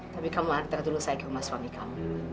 tapi kamu lari dulu saya ke rumah suami kamu